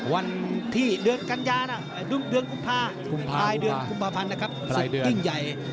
วันที่เดือนกัญญาณดื้องกุมภาพลิกตลอดสิ่งยิ่งใหญ่